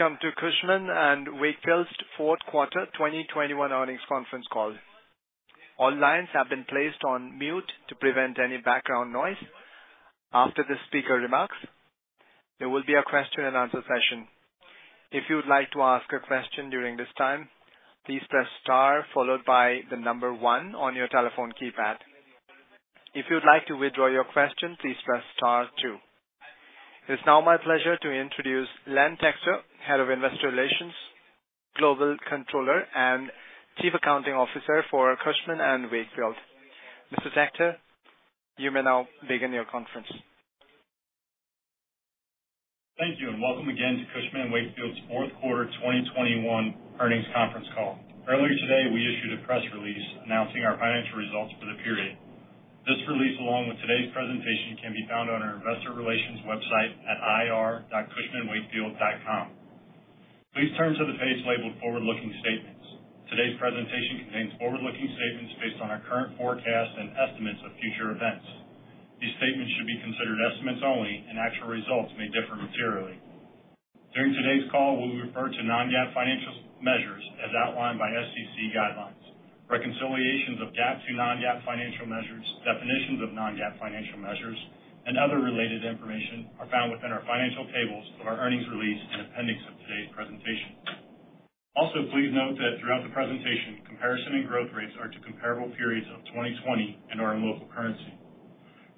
Welcome to Cushman & Wakefield's Fourth Quarter 2021 Earnings Conference Call. All lines have been placed on mute to prevent any background noise. After the speaker remarks, there will be a question and answer session. If you'd like to ask a question during this time, please press star followed by the number one on your telephone keypad. If you'd like to withdraw your question, please press star two. It's now my pleasure to introduce Len Texter, Head of Investor Relations, Global Controller, and Chief Accounting Officer for Cushman & Wakefield. Mr. Texter, you may now begin your conference. Thank you, and welcome again to Cushman & Wakefield's fourth quarter 2021 earnings conference call. Earlier today, we issued a press release announcing our financial results for the period. This release, along with today's presentation, can be found on our investor relations website at ir.cushmanwakefield.com. Please turn to the page labeled Forward-Looking Statements. Today's presentation contains forward-looking statements based on our current forecasts and estimates of future events. These statements should be considered estimates only, and actual results may differ materially. During today's call, we'll refer to non-GAAP financial measures as outlined by SEC guidelines. Reconciliations of GAAP to non-GAAP financial measures, definitions of non-GAAP financial measures, and other related information are found within our financial tables of our earnings release in appendix of today's presentation. Please note that throughout the presentation, comparison and growth rates are to comparable periods of 2020 and are in local currency.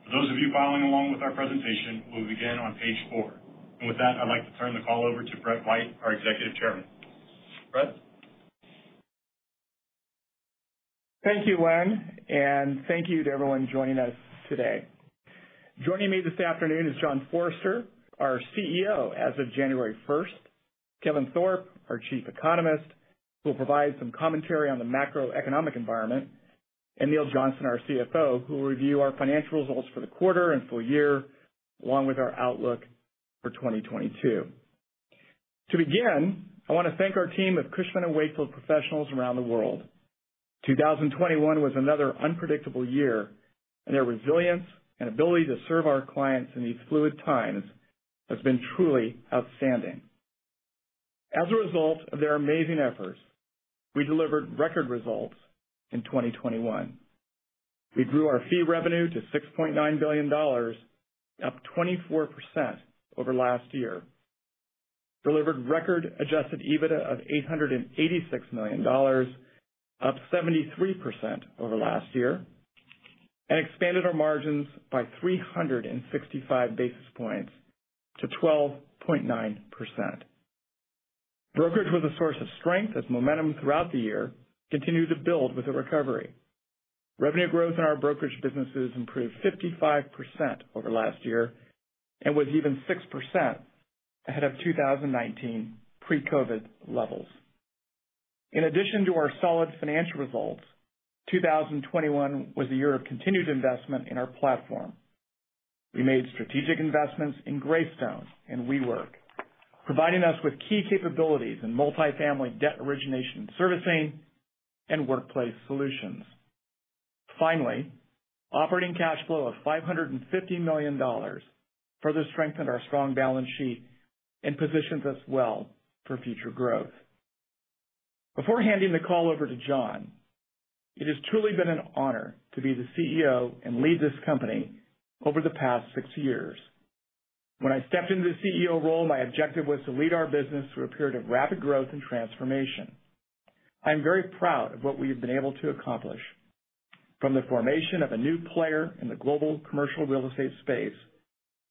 For those of you following along with our presentation, we'll begin on page 4. With that, I'd like to turn the call over to Brett White, our Executive Chairman. Brett? Thank you, Len, and thank you to everyone joining us today. Joining me this afternoon is John Forrester, our CEO as of January first, Kevin Thorpe, our Chief Economist, who will provide some commentary on the macroeconomic environment, and Neil Johnston, our CFO, who will review our financial results for the quarter and full year, along with our outlook for 2022. To begin, I wanna thank our team of Cushman & Wakefield professionals around the world. 2021 was another unpredictable year, and their resilience and ability to serve our clients in these fluid times has been truly outstanding. As a result of their amazing efforts, we delivered record results in 2021. We grew our fee revenue to $6.9 billion, up 24% over last year. delivered record adjusted EBITDA of $886 million, up 73% over last year, and expanded our margins by 365 basis points to 12.9%. Brokerage was a source of strength as momentum throughout the year continued to build with the recovery. Revenue growth in our brokerage businesses improved 55% over last year and was even 6% ahead of 2019 pre-COVID levels. In addition to our solid financial results, 2021 was a year of continued investment in our platform. We made strategic investments in Greystone and WeWork, providing us with key capabilities in multifamily debt origination and servicing and workplace solutions. Finally, operating cash flow of $550 million further strengthened our strong balance sheet and positions us well for future growth. Before handing the call over to John, it has truly been an honor to be the CEO and lead this company over the past six years. When I stepped into the CEO role, my objective was to lead our business through a period of rapid growth and transformation. I am very proud of what we have been able to accomplish, from the formation of a new player in the global commercial real estate space,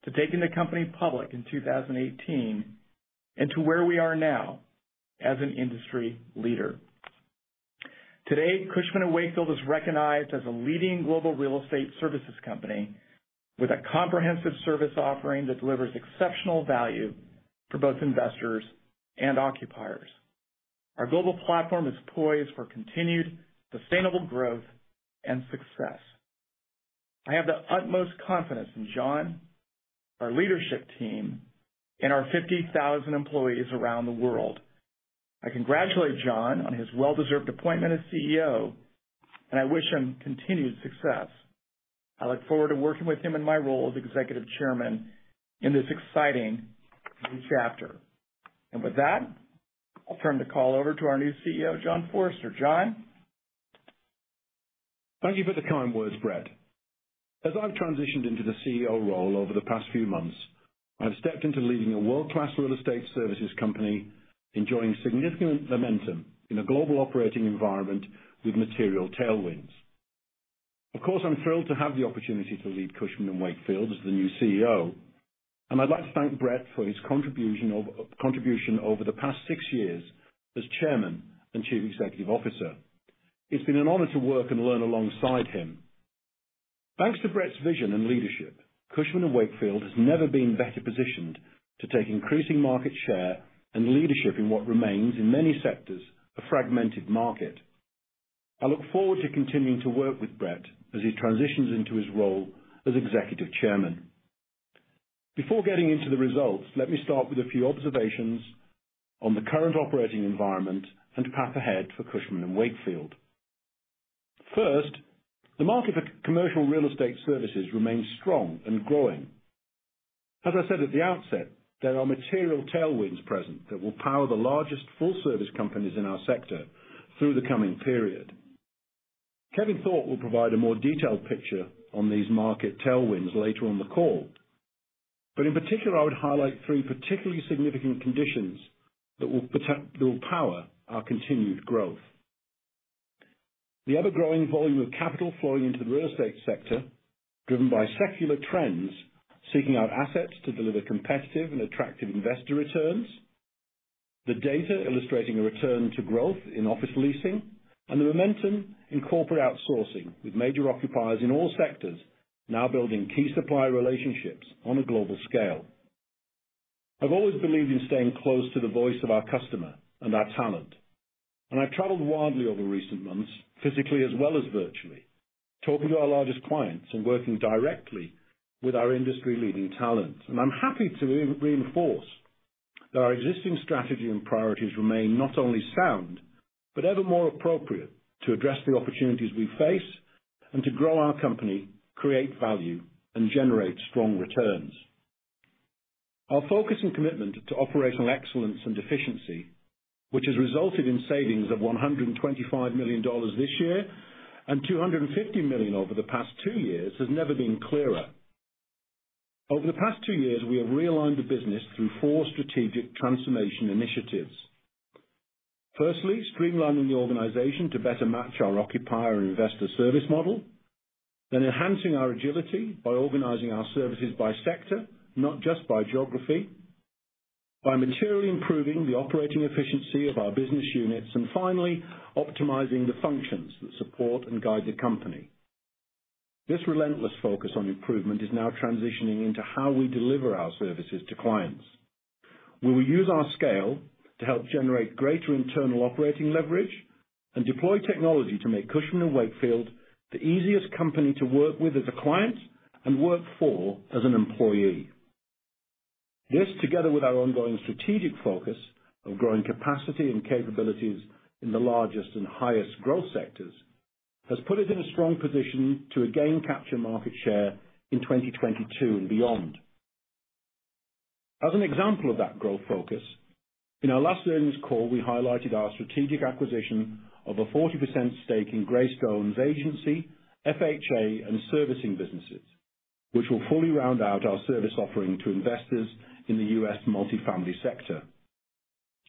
to taking the company public in 2018, and to where we are now as an industry leader. Today, Cushman & Wakefield is recognized as a leading global real estate services company with a comprehensive service offering that delivers exceptional value for both investors and occupiers. Our global platform is poised for continued sustainable growth and success. I have the utmost confidence in John, our leadership team, and our 50,000 employees around the world. I congratulate John on his well-deserved appointment as CEO, and I wish him continued success. I look forward to working with him in my role as Executive Chairman in this exciting new chapter. With that, I'll turn the call over to our new CEO, John Forrester. John? Thank you for the kind words, Brett. As I've transitioned into the CEO role over the past few months, I have stepped into leading a world-class real estate services company, enjoying significant momentum in a global operating environment with material tailwinds. Of course, I'm thrilled to have the opportunity to lead Cushman & Wakefield as the new CEO, and I'd like to thank Brett for his contribution over the past six years as Chairman and Chief Executive Officer. It's been an honor to work and learn alongside him. Thanks to Brett's vision and leadership, Cushman & Wakefield has never been better positioned to take increasing market share and leadership in what remains, in many sectors, a fragmented market. I look forward to continuing to work with Brett as he transitions into his role as Executive Chairman. Before getting into the results, let me start with a few observations on the current operating environment and path ahead for Cushman & Wakefield. First, the market for commercial real estate services remains strong and growing. As I said at the outset, there are material tailwinds present that will power the largest full service companies in our sector through the coming period. Kevin Thorpe will provide a more detailed picture on these market tailwinds later on the call. In particular, I would highlight three particularly significant conditions that will power our continued growth. The ever-growing volume of capital flowing into the real estate sector, driven by secular trends, seeking out assets to deliver competitive and attractive investor returns. The data illustrating a return to growth in office leasing, and the momentum in corporate outsourcing with major occupiers in all sectors now building key supplier relationships on a global scale. I've always believed in staying close to the voice of our customer and our talent, and I've traveled widely over recent months, physically as well as virtually, talking to our largest clients and working directly with our industry-leading talent. I'm happy to reinforce that our existing strategy and priorities remain not only sound, but ever more appropriate to address the opportunities we face and to grow our company, create value, and generate strong returns. Our focus and commitment to operational excellence and efficiency, which has resulted in savings of $125 million this year and $250 million over the past two years, has never been clearer. Over the past two years, we have realigned the business through four strategic transformation initiatives. Firstly, streamlining the organization to better match our occupier and investor service model, then enhancing our agility by organizing our services by sector, not just by geography, by materially improving the operating efficiency of our business units, and finally, optimizing the functions that support and guide the company. This relentless focus on improvement is now transitioning into how we deliver our services to clients. We will use our scale to help generate greater internal operating leverage and deploy technology to make Cushman & Wakefield the easiest company to work with as a client and work for as an employee. This, together with our ongoing strategic focus on growing capacity and capabilities in the largest and highest growth sectors, has put us in a strong position to again capture market share in 2022 and beyond. As an example of that growth focus, in our last earnings call, we highlighted our strategic acquisition of a 40% stake in Greystone's agency, FHA and servicing businesses, which will fully round out our service offering to investors in the U.S. multifamily sector.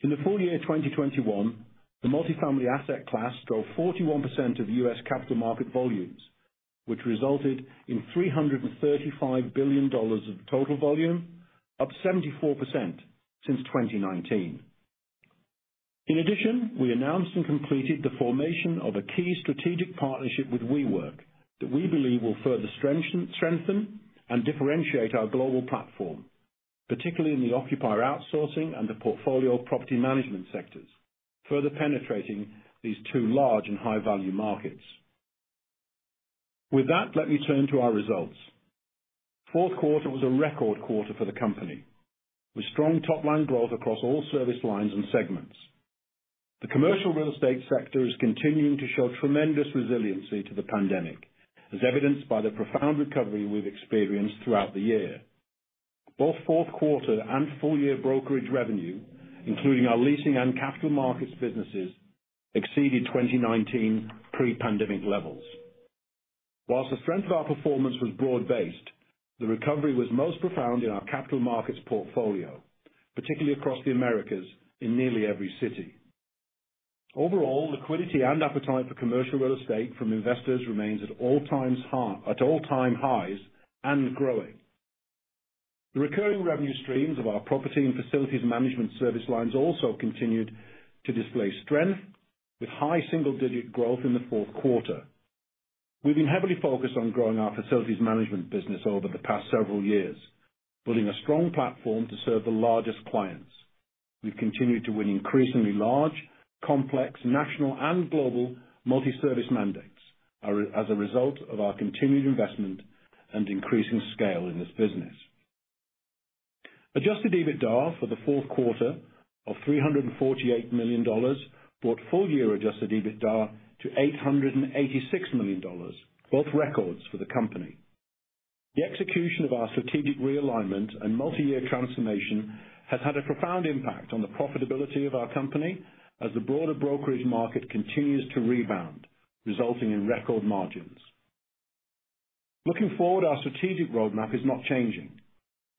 In the full year 2021, the multifamily asset class drove 41% of the U.S. capital market volumes, which resulted in $335 billion of total volume, up 74% since 2019. In addition, we announced and completed the formation of a key strategic partnership with WeWork that we believe will further strengthen and differentiate our global platform, particularly in the occupier outsourcing and the portfolio property management sectors, further penetrating these two large and high-value markets. With that, let me turn to our results. Fourth quarter was a record quarter for the company, with strong top-line growth across all service lines and segments. The commercial real estate sector is continuing to show tremendous resiliency to the pandemic, as evidenced by the profound recovery we've experienced throughout the year. Both fourth quarter and full year brokerage revenue, including our leasing and capital markets businesses, exceeded 2019 pre-pandemic levels. While the strength of our performance was broad-based, the recovery was most profound in our capital markets portfolio, particularly across the Americas in nearly every city. Overall, liquidity and appetite for commercial real estate from investors remains at all-time highs and growing. The recurring revenue streams of our property and facilities management service lines also continued to display strength with high single-digit growth in the fourth quarter. We've been heavily focused on growing our facilities management business over the past several years, building a strong platform to serve the largest clients. We've continued to win increasingly large, complex, national and global multi-service mandates, as a result of our continued investment and increasing scale in this business. Adjusted EBITDA for the fourth quarter of $348 million brought full-year adjusted EBITDA to $886 million, both records for the company. The execution of our strategic realignment and multi-year transformation has had a profound impact on the profitability of our company as the broader brokerage market continues to rebound, resulting in record margins. Looking forward, our strategic roadmap is not changing.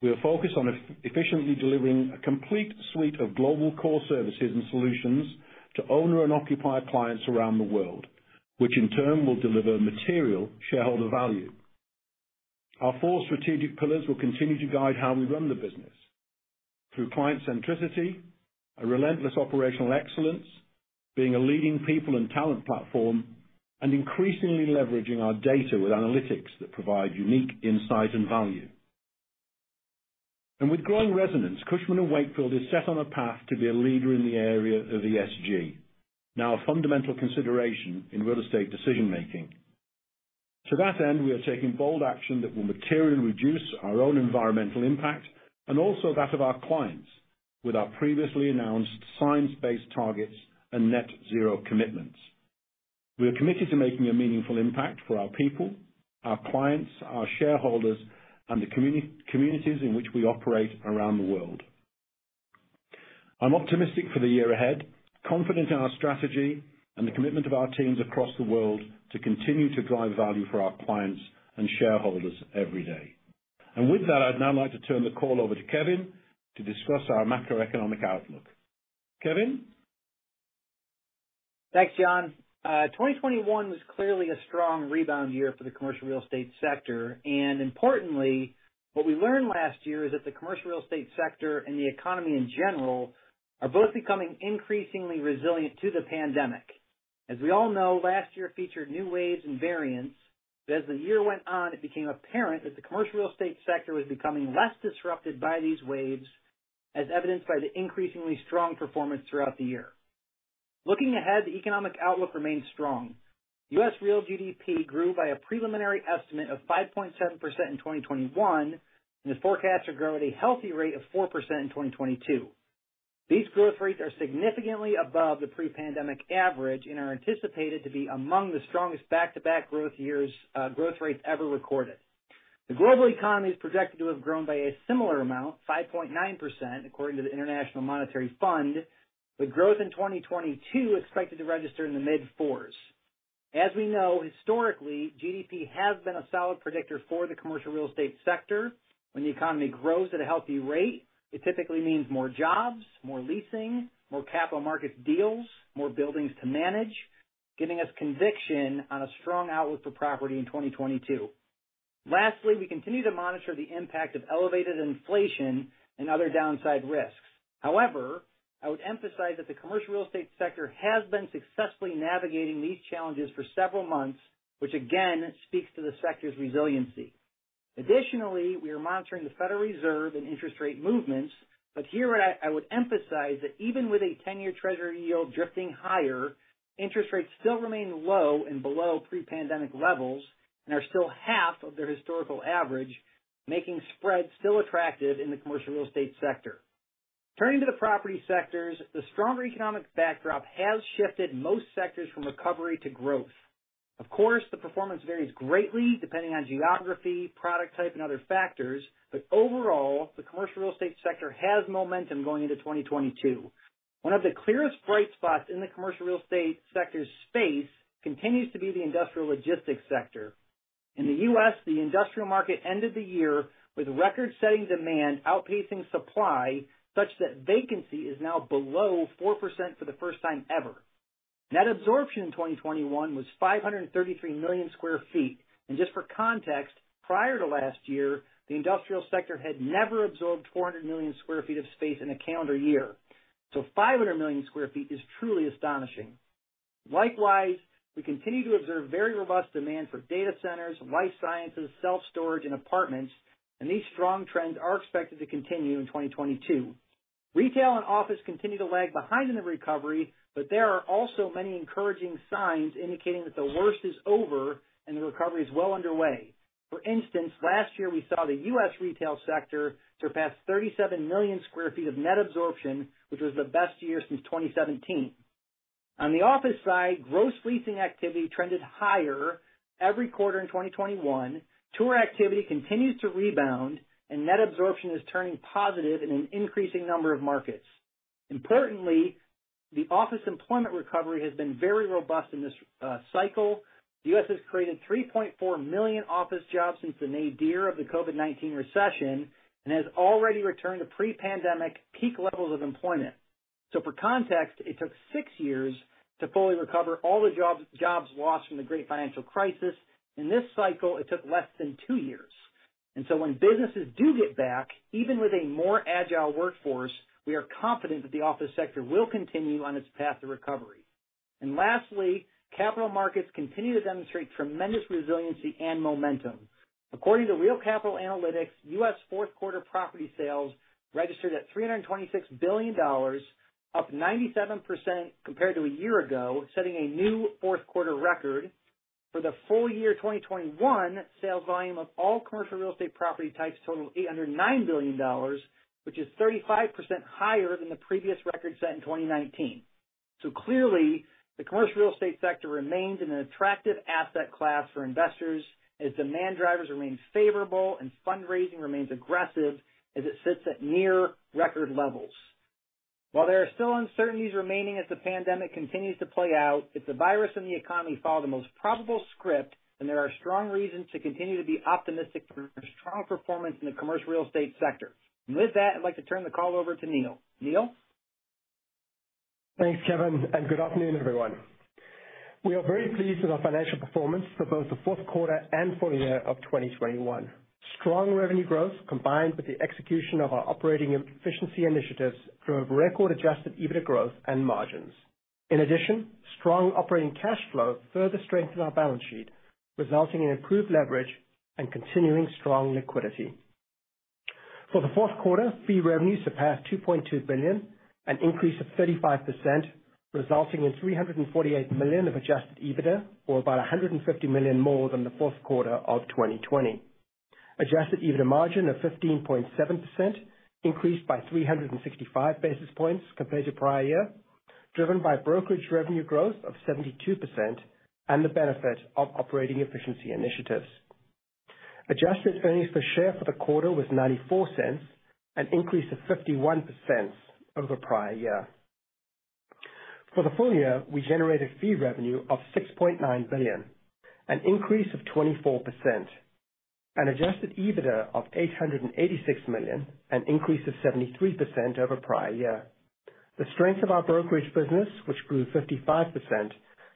We are focused on efficiently delivering a complete suite of global core services and solutions to owner and occupier clients around the world, which in turn will deliver material shareholder value. Our four strategic pillars will continue to guide how we run the business through client centricity, a relentless operational excellence, being a leading people and talent platform, and increasingly leveraging our data with analytics that provide unique insight and value. With growing resonance, Cushman & Wakefield is set on a path to be a leader in the area of ESG. Now a fundamental consideration in real estate decision-making. To that end, we are taking bold action that will materially reduce our own environmental impact and also that of our clients with our previously announced science-based targets and net zero commitments. We are committed to making a meaningful impact for our people, our clients, our shareholders, and the communities in which we operate around the world. I'm optimistic for the year ahead, confident in our strategy and the commitment of our teams across the world to continue to drive value for our clients and shareholders every day. With that, I'd now like to turn the call over to Kevin to discuss our macroeconomic outlook. Kevin? Thanks, John. 2021 was clearly a strong rebound year for the commercial real estate sector. Importantly, what we learned last year is that the commercial real estate sector and the economy in general are both becoming increasingly resilient to the pandemic. As we all know, last year featured new waves and variants. As the year went on, it became apparent that the commercial real estate sector was becoming less disrupted by these waves, as evidenced by the increasingly strong performance throughout the year. Looking ahead, the economic outlook remains strong. U.S. real GDP grew by a preliminary estimate of 5.7% in 2021, and the forecasts are growing at a healthy rate of 4% in 2022. These growth rates are significantly above the pre-pandemic average and are anticipated to be among the strongest back-to-back growth years, growth rates ever recorded. The global economy is projected to have grown by a similar amount, 5.9% according to the International Monetary Fund, with growth in 2022 expected to register in the mid-4s. As we know, historically, GDP has been a solid predictor for the commercial real estate sector. When the economy grows at a healthy rate, it typically means more jobs, more leasing, more capital markets deals, more buildings to manage, giving us conviction on a strong outlook for property in 2022. Lastly, we continue to monitor the impact of elevated inflation and other downside risks. However, I would emphasize that the commercial real estate sector has been successfully navigating these challenges for several months, which again speaks to the sector's resiliency. Additionally, we are monitoring the Federal Reserve and interest rate movements, but here I would emphasize that even with a ten-year Treasury yield drifting higher, interest rates still remain low and below pre-pandemic levels and are still half of their historical average, making spreads still attractive in the commercial real estate sector. Turning to the property sectors, the stronger economic backdrop has shifted most sectors from recovery to growth. Of course, the performance varies greatly depending on geography, product type, and other factors, but overall, the commercial real estate sector has momentum going into 2022. One of the clearest bright spots in the commercial real estate sector's space continues to be the industrial logistics sector. In the U.S., the industrial market ended the year with record-setting demand outpacing supply, such that vacancy is now below 4% for the first time ever. Net absorption in 2021 was 533 million sq ft. Just for context, prior to last year, the industrial sector had never absorbed 400 million sq ft of space in a calendar year. Five hundred million sq ft is truly astonishing. Likewise, we continue to observe very robust demand for data centers, life sciences, self-storage, and apartments, and these strong trends are expected to continue in 2022. Retail and office continue to lag behind in the recovery, but there are also many encouraging signs indicating that the worst is over and the recovery is well underway. For instance, last year we saw the U.S. retail sector surpass 37 million sq ft of net absorption, which was the best year since 2017. On the office side, gross leasing activity trended higher every quarter in 2021. Tour activity continues to rebound, and net absorption is turning positive in an increasing number of markets. Importantly, the office employment recovery has been very robust in this cycle. The U.S. has created 3.4 million office jobs since the nadir of the COVID-19 recession and has already returned to pre-pandemic peak levels of employment. For context, it took 6 years to fully recover all the jobs lost from the Great Financial Crisis. In this cycle, it took less than 2 years. When businesses do get back, even with a more agile workforce, we are confident that the office sector will continue on its path to recovery. Lastly, capital markets continue to demonstrate tremendous resiliency and momentum. According to Real Capital Analytics, U.S. fourth quarter property sales registered at $326 billion, up 97% compared to a year ago, setting a new fourth quarter record. For the full year 2021, sales volume of all commercial real estate property types totaled $809 billion, which is 35% higher than the previous record set in 2019. Clearly, the commercial real estate sector remains an attractive asset class for investors as demand drivers remain favorable and fundraising remains aggressive as it sits at near record levels. While there are still uncertainties remaining as the pandemic continues to play out, if the virus and the economy follow the most probable script, then there are strong reasons to continue to be optimistic for strong performance in the commercial real estate sector. With that, I'd like to turn the call over to Neil. Neil? Thanks, Kevin, and good afternoon, everyone. We are very pleased with our financial performance for both the fourth quarter and full year of 2021. Strong revenue growth combined with the execution of our operating efficiency initiatives drove record adjusted EBITDA growth and margins. In addition, strong operating cash flow further strengthened our balance sheet, resulting in improved leverage and continuing strong liquidity. For the fourth quarter, fee revenue surpassed $2.2 billion, an increase of 35%, resulting in $348 million of Adjusted EBITDA, or about $150 million more than the fourth quarter of 2020. Adjusted EBITDA margin of 15.7% increased by 365 basis points compared to prior year, driven by brokerage revenue growth of 72% and the benefit of operating efficiency initiatives. Adjusted earnings per share for the quarter was $0.94, an increase of 51% over prior year. For the full year, we generated fee revenue of $6.9 billion, an increase of 24%. An Adjusted EBITDA of $886 million, an increase of 73% over prior year. The strength of our brokerage business, which grew 55%,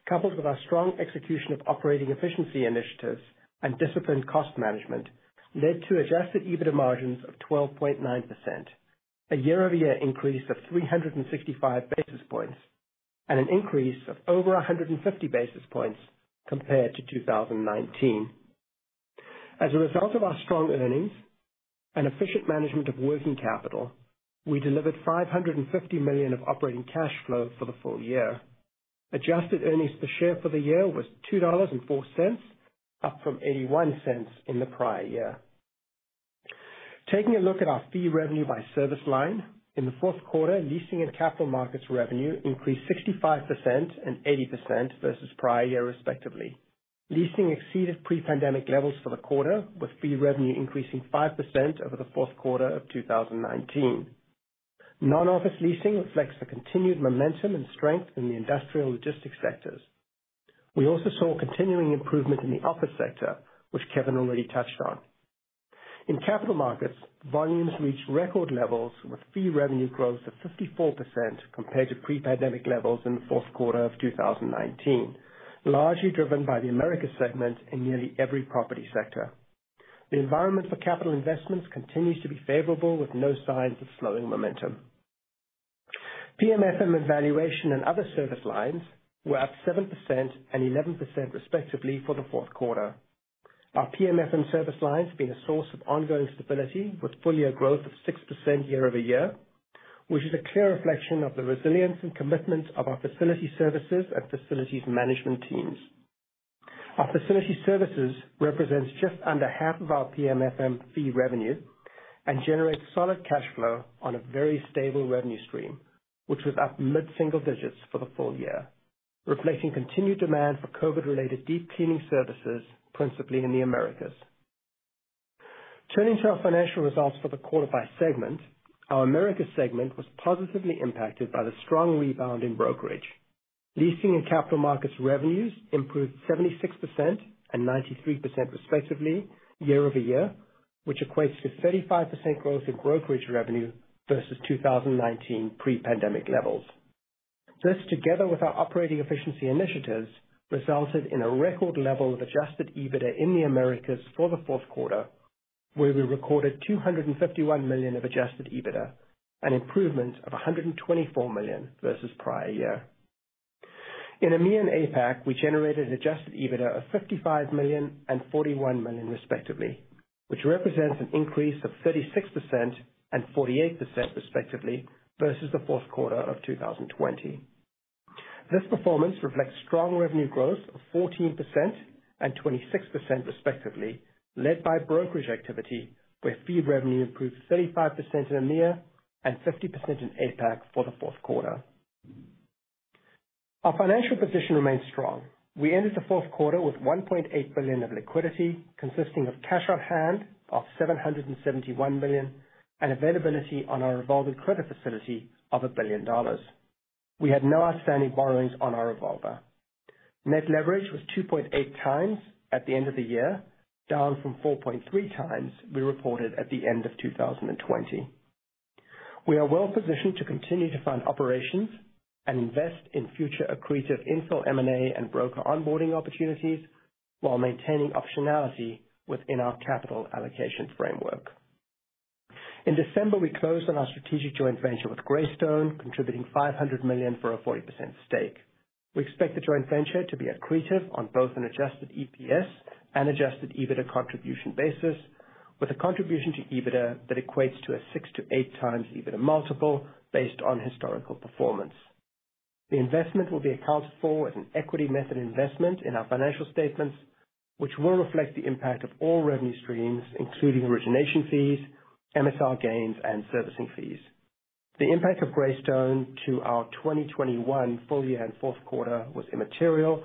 coupled with our strong execution of operating efficiency initiatives and disciplined cost management, led to adjusted EBITDA margins of 12.9%, a year-over-year increase of 365 basis points, and an increase of over 150 basis points compared to 2019. As a result of our strong earnings and efficient management of working capital, we delivered $550 million of operating cash flow for the full year. Adjusted earnings per share for the year was $2.04, up from $0.81 in the prior year. Taking a look at our fee revenue by service line. In the fourth quarter, leasing and capital markets revenue increased 65% and 80% versus prior year respectively. Leasing exceeded pre-pandemic levels for the quarter, with fee revenue increasing 5% over the fourth quarter of 2019. Non-office leasing reflects the continued momentum and strength in the industrial logistics sectors. We also saw continuing improvement in the office sector, which Kevin already touched on. In capital markets, volumes reached record levels with fee revenue growth of 54% compared to pre-pandemic levels in the fourth quarter of 2019, largely driven by the Americas segment in nearly every property sector. The environment for capital investments continues to be favorable, with no signs of slowing momentum. PM/FM evaluation and other service lines were up 7% and 11% respectively for the fourth quarter. Our PM/FM service lines being a source of ongoing stability, with full-year growth of 6% year-over-year, which is a clear reflection of the resilience and commitment of our facility services and facilities management teams. Our facility services represents just under half of our PM/FM fee revenue and generates solid cash flow on a very stable revenue stream, which was up mid-single digits for the full year, reflecting continued demand for COVID-related deep cleaning services, principally in the Americas. Turning to our financial results for the quarter by segment. Our Americas segment was positively impacted by the strong rebound in brokerage. Leasing and capital markets revenues improved 76% and 93% respectively year-over-year, which equates to a 35% growth in brokerage revenue versus 2019 pre-pandemic levels. This, together with our operating efficiency initiatives, resulted in a record level of adjusted EBITDA in the Americas for the fourth quarter, where we recorded $251 million of adjusted EBITDA, an improvement of $124 million versus prior year. In EMEA and APAC, we generated adjusted EBITDA of $55 million and $41 million respectively, which represents an increase of 36% and 48% respectively versus the fourth quarter of 2020. This performance reflects strong revenue growth of 14% and 26% respectively, led by brokerage activity where fee revenue improved 35% in EMEA and 50% in APAC for the fourth quarter. Our financial position remains strong. We ended the fourth quarter with $1.8 billion of liquidity consisting of cash on hand of $771 million and availability on our revolving credit facility of $1 billion. We had no outstanding borrowings on our revolver. Net leverage was 2.8 times at the end of the year, down from 4.3 times we reported at the end of 2020. We are well positioned to continue to fund operations and invest in future accretive info M&A and broker onboarding opportunities while maintaining optionality within our capital allocation framework. In December, we closed on our strategic joint venture with Greystone, contributing $500 million for a 40% stake. We expect the joint venture to be accretive on both an adjusted EPS and adjusted EBITDA contribution basis, with a contribution to EBITDA that equates to a 6-8x EBITDA multiple based on historical performance. The investment will be accounted for as an equity method investment in our financial statements, which will reflect the impact of all revenue streams, including origination fees, MSR gains, and servicing fees. The impact of Greystone to our 2021 full year and fourth quarter was immaterial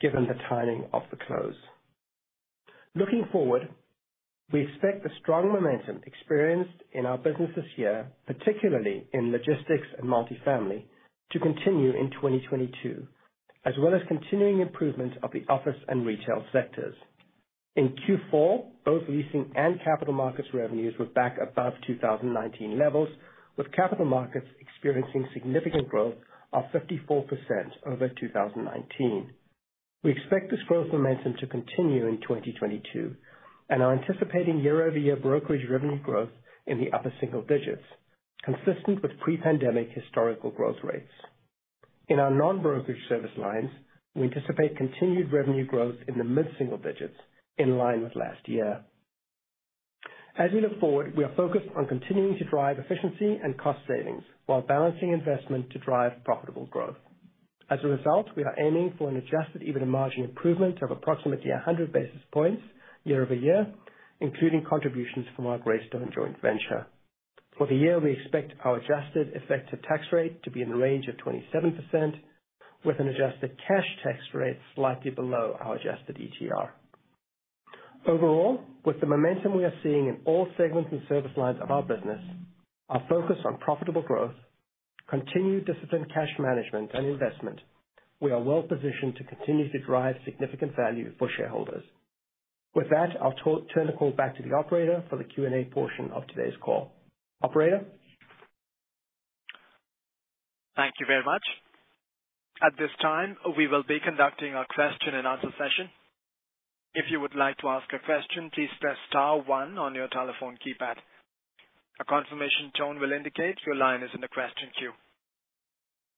given the timing of the close. Looking forward, we expect the strong momentum experienced in our business this year, particularly in logistics and multifamily, to continue in 2022, as well as continuing improvement of the office and retail sectors. In Q4, both leasing and capital markets revenues were back above 2019 levels, with capital markets experiencing significant growth of 54% over 2019. We expect this growth momentum to continue in 2022 and are anticipating year-over-year brokerage revenue growth in the upper single digits, consistent with pre-pandemic historical growth rates. In our non-brokerage service lines, we anticipate continued revenue growth in the mid-single digits in line with last year. As we look forward, we are focused on continuing to drive efficiency and cost savings while balancing investment to drive profitable growth. As a result, we are aiming for an adjusted EBITDA margin improvement of approximately 100 basis points year-over-year, including contributions from our Greystone joint venture. For the year, we expect our adjusted effective tax rate to be in the range of 27% with an adjusted cash tax rate slightly below our adjusted ETR. Overall, with the momentum we are seeing in all segments and service lines of our business, our focus on profitable growth, continued disciplined cash management and investment, we are well positioned to continue to drive significant value for shareholders. With that, I'll turn the call back to the operator for the Q&A portion of today's call. Operator? Thank you very much. At this time, we will be conducting our question and answer session. If you would like to ask a question, please press star one on your telephone keypad. A confirmation tone will indicate your line is in the question queue.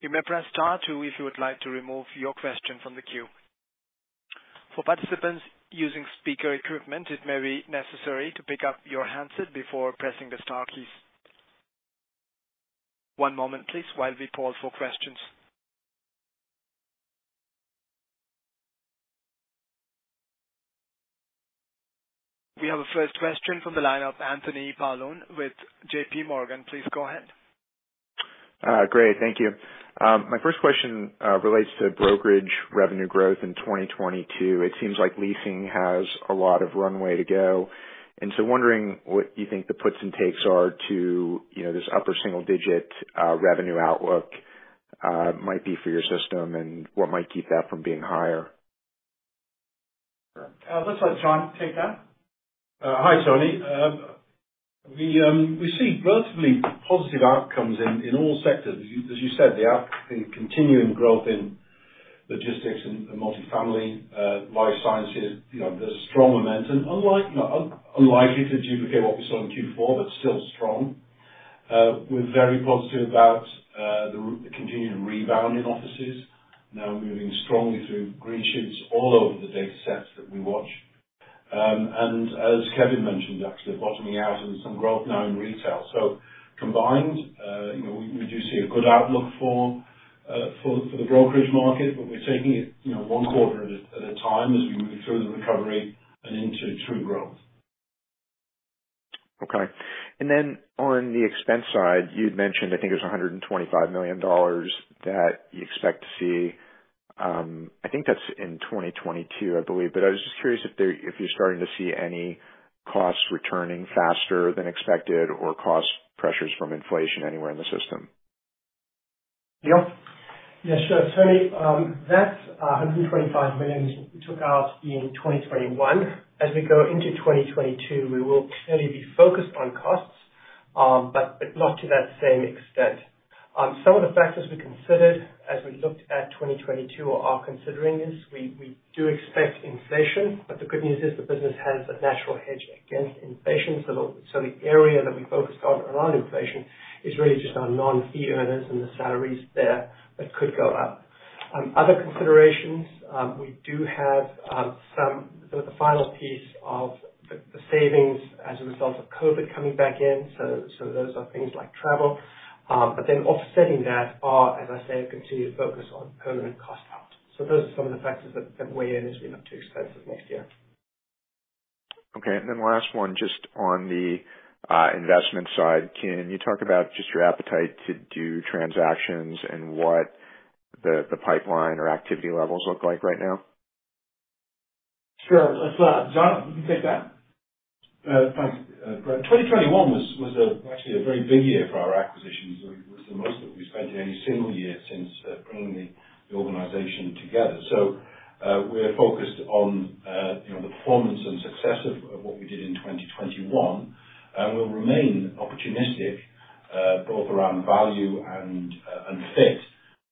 You may press star two if you would like to remove your question from the queue. For participants using speaker equipment, it may be necessary to pick up your handset before pressing the star keys. One moment please while we pause for questions. We have a first question from the line of Anthony Paolone with JPMorgan. Please go ahead. Great, thank you. My first question relates to brokerage revenue growth in 2022. It seems like leasing has a lot of runway to go, and so wondering what you think the puts and takes are to, you know, this upper single digit revenue outlook might be for your system and what might keep that from being higher. Let's let John take that. Hi, Anthony. We see relatively positive outcomes in all sectors. As you said, there are continuing growth in logistics and multifamily, life sciences. You know, there's strong momentum. Unlikely to duplicate what we saw in Q4, but still strong. We're very positive about the continuing rebound in offices now moving strongly through green shoots all over the datasets that we watch. As Kevin mentioned, actually bottoming out and some growth now in retail. Combined, you know, we do see a good outlook for the brokerage market, but we're taking it, you know, one quarter at a time as we move through the recovery and into true growth. Okay. On the expense side, you'd mentioned I think it was $125 million that you expect to see. I think that's in 2022, I believe, but I was just curious if you're starting to see any costs returning faster than expected or cost pressures from inflation anywhere in the system. Neil. Yeah, sure. Anthony, that $125 million we took out in 2021. As we go into 2022, we will clearly be focused on costs, but not to that same extent. Some of the factors we considered as we looked at 2022 or are considering is we do expect inflation, but the good news is the business has a natural hedge against inflation. The area that we focused on around inflation is really just our non-fee earners and the salaries there that could go up. Other considerations, we do have some. The final piece of the savings as a result of COVID coming back in, those are things like travel. Offsetting that are, as I say, a continued focus on permanent cost out. Those are some of the factors that weigh in as we look to expenses next year. Okay. Last one, just on the investment side. Can you talk about just your appetite to do transactions and what the pipeline or activity levels look like right now? Sure. Let's, John, you can take that. Thanks. 2021 was actually a very big year for our acquisitions. It was the most that we spent in any single year since bringing the organization together. We're focused on you know the performance and success of what we did in 2021. We'll remain opportunistic both around value and fit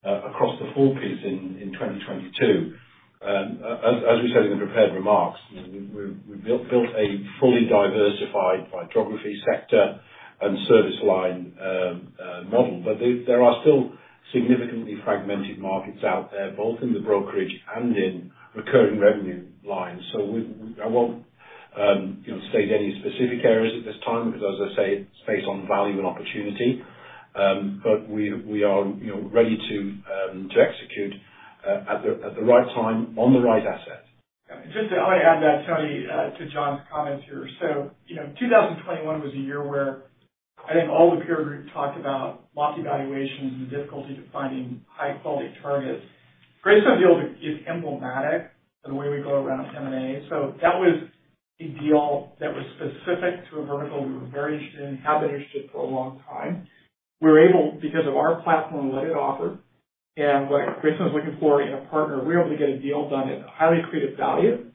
across the full suite in 2022. As we said in the prepared remarks, you know, we've built a fully diversified by geography sector and service line model. But there are still significantly fragmented markets out there, both in the brokerage and in recurring revenue lines. I won't you know state any specific areas at this time because as I say, it's based on value and opportunity. We are, you know, ready to execute at the right time on the right asset. I wanna add that, Anthony, to John's comment here. You know, 2021 was a year where I think all the peer group talked about lots of valuations and the difficulty in finding high quality targets. Greystone deal is emblematic in the way we go about M&A. That was a deal that was specific to a vertical we were very interested in, have been interested for a long time. We were able because of our platform and what it offered and what Greystone was looking for in a partner, we were able to get a deal done at highly accretive value.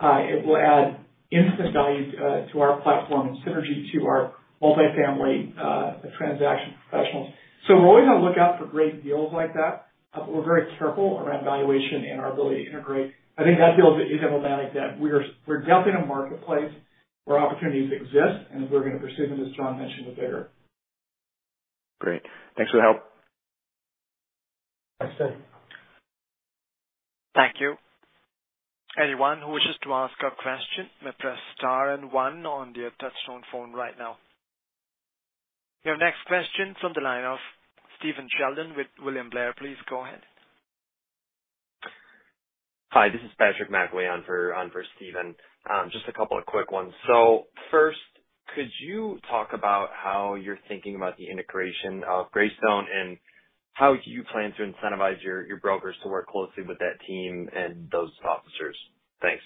It will add instant value to our platform and synergy to our multifamily transaction professionals. We're always on lookout for great deals like that, but we're very careful around valuation and our ability to integrate. I think that deal is emblematic that we're definitely in a marketplace where opportunities exist, and we're gonna pursue them, as John mentioned with Bear. Great. Thanks for the help. Thanks, Anthony. Anyone who wishes to ask a question may press star and one on their touch-tone phone right now. Your next question from the line of Stephen Sheldon with William Blair. Please go ahead. Hi, this is Patrick McIlwee on for Stephen Sheldon. Just a couple of quick ones. First, could you talk about how you're thinking about the integration of Greystone and how you plan to incentivize your brokers to work closely with that team and those officers? Thanks.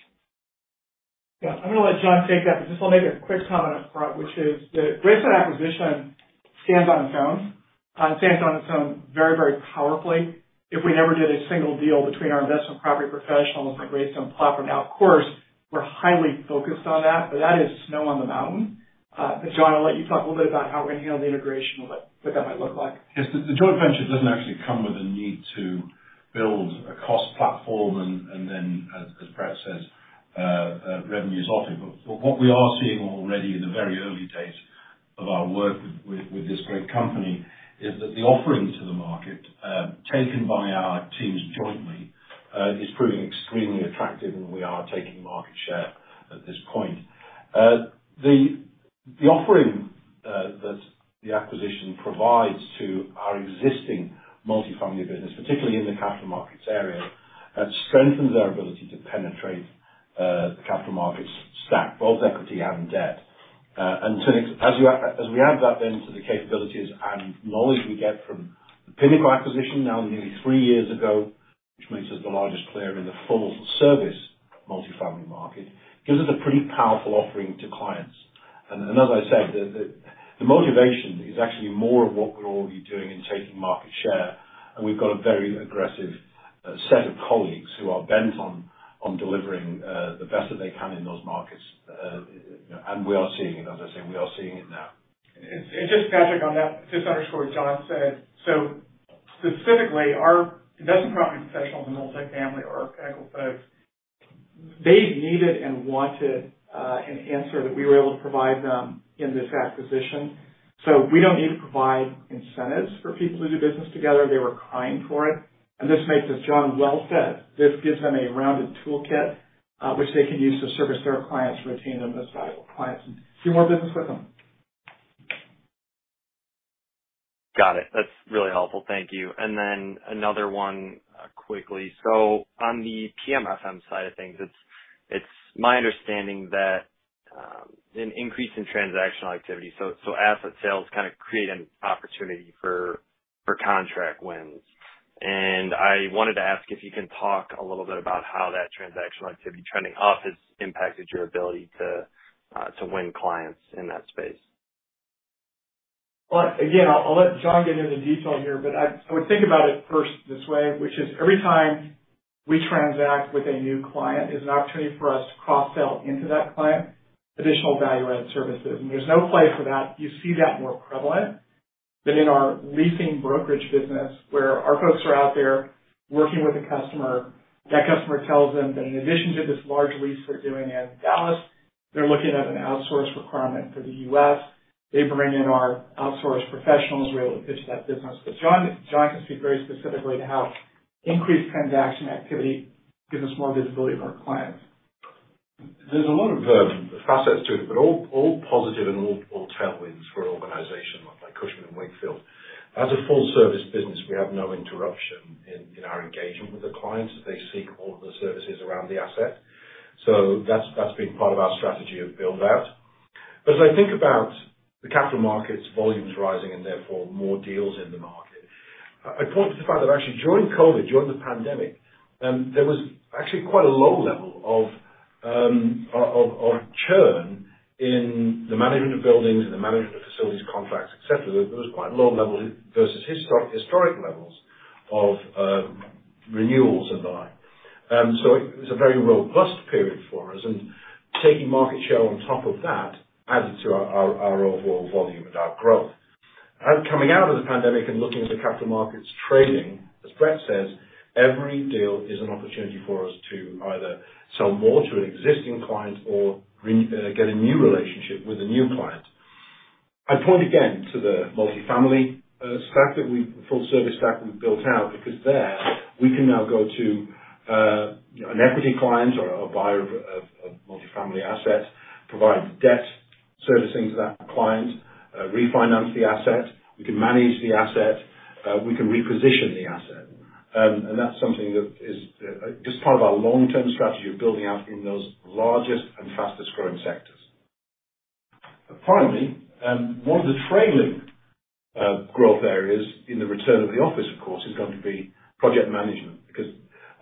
Yeah. I'm gonna let John take that, but just I'll make a quick comment up front, which is that Greystone acquisition stands on its own. It stands on its own very, very powerfully. If we never did a single deal between our investment property professionals and Greystone platform. Now, of course, we're highly focused on that, but that is snow on the mountain. John, I'll let you talk a little bit about how we're gonna handle the integration, what that might look like. Yes. The joint venture doesn't actually come with a need to build a cost platform and then as Brett says, revenues off it. What we are seeing already in the very early days of our work with this great company is that the offering to the market taken by our teams jointly is proving extremely attractive, and we are taking market share at this point. The offering that the acquisition provides to our existing multifamily business, particularly in the capital markets area, strengthens our ability to penetrate the capital markets stack, both equity and debt. as we add that then to the capabilities and knowledge we get from the Pinnacle acquisition now nearly three years ago, which makes us the largest player in the full service multifamily market, gives us a pretty powerful offering to clients. as I said, the motivation is actually more of what we're already doing in taking market share, and we've got a very aggressive set of colleagues who are bent on delivering the best that they can in those markets. you know, we are seeing it. As I say, we are seeing it now. Just Patrick on that, just underscore what John said. Specifically, our investment property professionals in multifamily or our Pinnacle folks, they needed and wanted an answer that we were able to provide them in this acquisition. We don't need to provide incentives for people to do business together. They were crying for it. This makes, as John well said, this gives them a rounded toolkit, which they can use to service their clients, retain them as valuable clients, and do more business with them. Got it. That's really helpful. Thank you. Another one, quickly. On the PM/FM side of things, it's my understanding that an increase in transactional activity, so asset sales kinda create an opportunity for contract wins. I wanted to ask if you can talk a little bit about how that transactional activity trending up has impacted your ability to win clients in that space. Well, again, I'll let John get into detail here, but I would think about it first this way, which is every time we transact with a new client, there's an opportunity for us to cross-sell into that client additional value-add services. There's no place for that. You see that more prevalent than in our leasing brokerage business, where our folks are out there working with a customer. That customer tells them that in addition to this large lease we're doing in Dallas, they're looking at an outsource requirement for the U.S. They bring in our outsource professionals. We're able to pitch that business. John can speak very specifically to how increased transaction activity gives us more visibility with our clients. There's a lot of facets to it, but all positive and all tailwinds for an organization like Cushman & Wakefield. As a full service business, we have no interruption in our engagement with the clients as they seek all of the services around the asset. That's been part of our strategy of build out. As I think about the capital markets, volumes rising and therefore more deals in the market, I point to the fact that actually during COVID, during the pandemic, there was actually quite a low level of churn in the management of buildings and the management of facilities contracts, et cetera. There was quite a low level versus historic levels of renewals and the like. It was a very robust period for us. Taking market share on top of that added to our overall volume and our growth. Coming out of the pandemic and looking at the capital markets trading, as Brett says, every deal is an opportunity for us to either sell more to an existing client or get a new relationship with a new client. I point again to the multifamily full service stack we've built out because there we can now go to an equity client or a buyer of multifamily asset, provide debt servicing to that client, refinance the asset. We can manage the asset. We can reposition the asset. That's something that is just part of our long-term strategy of building out in those largest and fastest growing sectors. Finally, one of the trailing growth areas in the return of the office, of course, is going to be project management. Because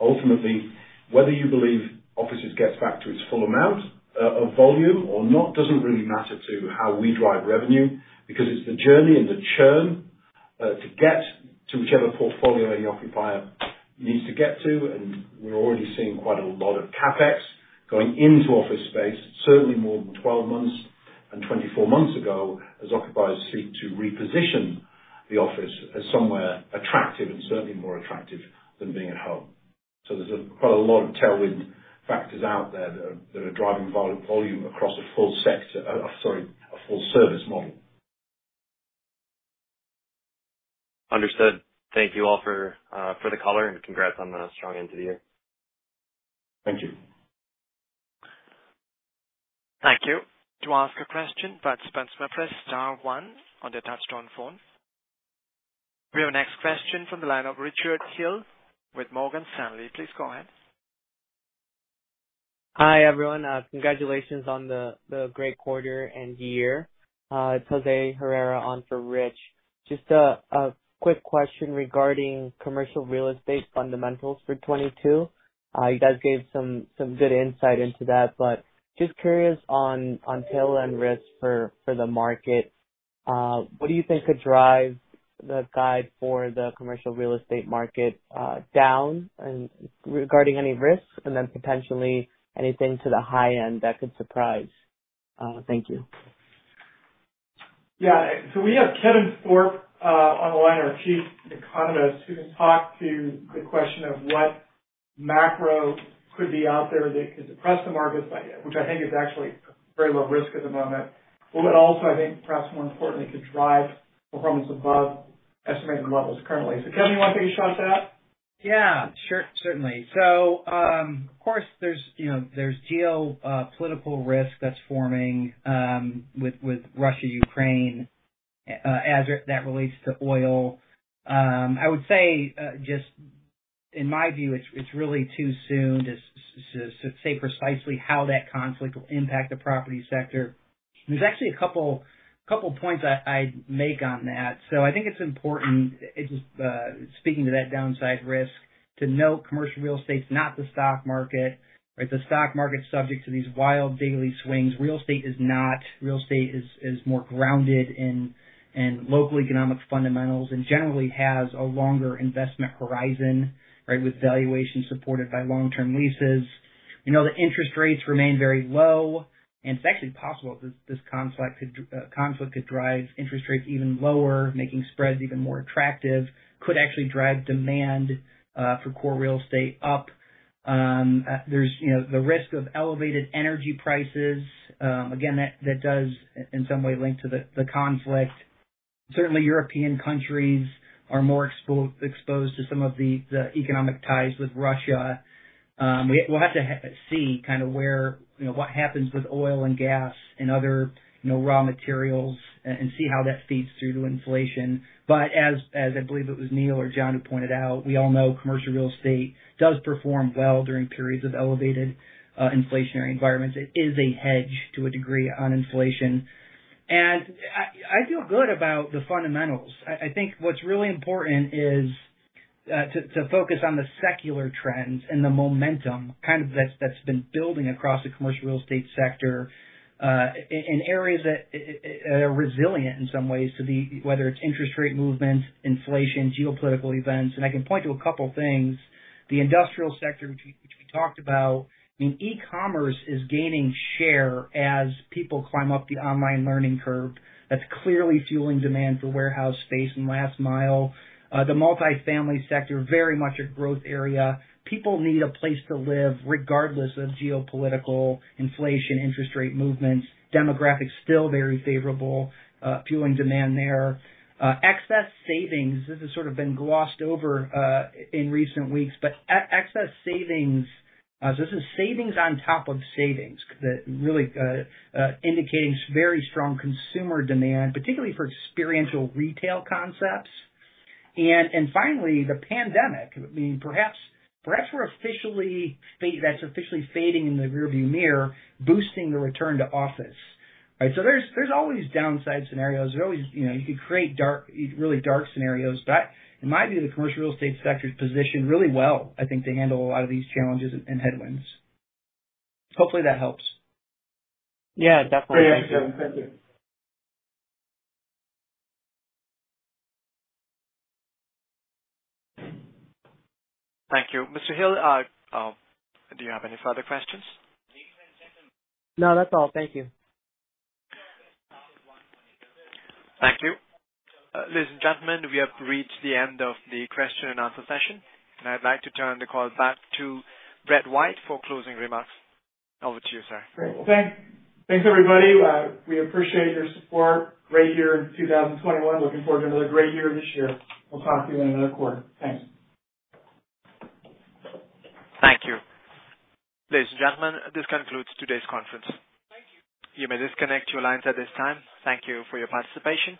ultimately, whether you believe offices gets back to its full amount of volume or not, doesn't really matter to how we drive revenue because it's the journey and the churn to get to whichever portfolio any occupier needs to get to. We're already seeing quite a lot of CapEx going into office space, certainly more than 12 months and 24 months ago, as occupiers seek to reposition the office as somewhere attractive and certainly more attractive than being at home. There's quite a lot of tailwind factors out there that are driving volume across a full service model. Understood. Thank you all for the call and congrats on the strong end to the year. Thank you. Thank you. To ask a question, participants may press star one on their touchtone phone. We have our next question from the line of Richard Hill with Morgan Stanley. Please go ahead. Hi, everyone. Congratulations on the great quarter and year. It's Jose Herrera on for Rich. Just a quick question regarding commercial real estate fundamentals for 2022. You guys gave some good insight into that, but just curious on tail end risks for the market. What do you think could drive the guide for the commercial real estate market down and regarding any risks and then potentially anything to the high end that could surprise? Thank you. Yeah. We have Kevin Thorpe on the line, our Chief Economist, who can talk to the question of what macro could be out there that could suppress the markets, which I think is actually very low risk at the moment. What would also, I think, perhaps more importantly, could drive performance above estimated levels currently. Kevin, you wanna give a shot at that? Yeah, sure, certainly. Of course, there's, you know, there's geopolitical risk that's forming with Russia-Ukraine as that relates to oil. I would say just in my view, it's really too soon to say precisely how that conflict will impact the property sector. There's actually a couple points I'd make on that. I think it's important, it just speaking to that downside risk to note commercial real estate's not the stock market, right? The stock market's subject to these wild daily swings. Real estate is not. Real estate is more grounded in local economic fundamentals and generally has a longer investment horizon, right, with valuations supported by long-term leases. We know that interest rates remain very low, and it's actually possible this conflict could drive interest rates even lower, making spreads even more attractive, could actually drive demand for core real estate up. There's you know, the risk of elevated energy prices. Again, that does in some way link to the conflict. Certainly European countries are more exposed to some of the economic ties with Russia. We'll have to see kinda where, you know, what happens with oil and gas and other, you know, raw materials and see how that feeds through to inflation. As I believe it was Neil or John who pointed out, we all know commercial real estate does perform well during periods of elevated inflationary environments. It is a hedge to a degree on inflation. I feel good about the fundamentals. I think what's really important is to focus on the secular trends and the momentum kind of that's been building across the commercial real estate sector in areas that are resilient in some ways to whether it's interest rate movements, inflation, geopolitical events. I can point to a couple things. The industrial sector, which we talked about, I mean, e-commerce is gaining share as people climb up the online learning curve. That's clearly fueling demand for warehouse space in last mile. The multifamily sector, very much a growth area. People need a place to live regardless of geopolitical, inflation, interest rate movements. Demographics still very favorable, fueling demand there. Excess savings. This has sort of been glossed over in recent weeks, but excess savings, so this is savings on top of savings that really indicating very strong consumer demand, particularly for experiential retail concepts. Finally, the pandemic. I mean, perhaps that's officially fading in the rearview mirror, boosting the return to office. Right? There's always downside scenarios. You know, you could create dark, really dark scenarios. In my view, the commercial real estate sector is positioned really well, I think, to handle a lot of these challenges and headwinds. Hopefully that helps. Yeah, definitely. Great. Thank you. Thank you. Mr. Hill, do you have any further questions? No, that's all. Thank you. Thank you. Ladies and gentlemen, we have reached the end of the question and answer session, and I'd like to turn the call back to Brett White for closing remarks. Over to you, sir. Great. Thanks, everybody. We appreciate your support. Great year in 2021. Looking forward to another great year this year. We'll talk to you in another quarter. Thanks. Thank you. Ladies and gentlemen, this concludes today's conference. Thank you. You may disconnect your lines at this time. Thank you for your participation.